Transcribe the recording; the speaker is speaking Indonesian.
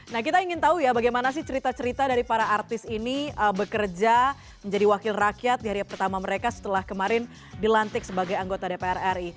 nah kita ingin tahu ya bagaimana sih cerita cerita dari para artis ini bekerja menjadi wakil rakyat di hari pertama mereka setelah kemarin dilantik sebagai anggota dpr ri